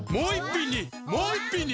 もう１品に！